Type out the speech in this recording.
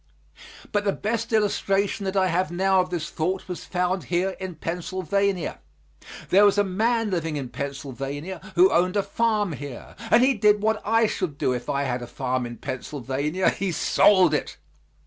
But the best illustration that I have now of this thought was found here in Pennsylvania. There was a man living in Pennsylvania who owned a farm here and he did what I should do if I had a farm in Pennsylvania he sold it.